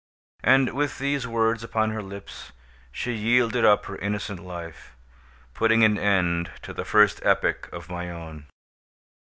And, with these words upon her lips, she yielded up her innocent life, putting an end to the first epoch of my own.